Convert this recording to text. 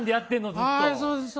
ずっと。